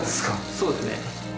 そうですね。